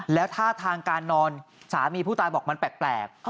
แล้วท่าทางการนอนสามีผู้ตายบอกมันแปลก